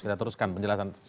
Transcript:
kita teruskan penjelasan